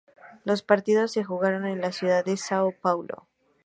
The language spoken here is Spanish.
Los partidos se jugaron en la ciudad de São Paulo.